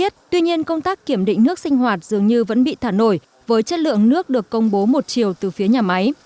tuy nhiên công tác kiểm định nước sinh hoạt dường như vẫn bị thả nổi với chất lượng nước được công bố một chiều từ phía nhà máy